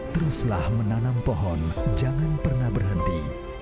teruslah menanam pohon jangan pernah berhenti